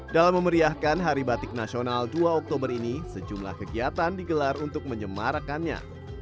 dalam memeriahkan hari batik nasional dua oktober ini sejumlah kegiatan digelar untuk menyemarakannya